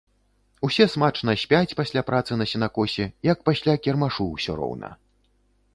Усе смачна спяць пасля працы на сенакосе, як пасля кірмашу ўсё роўна.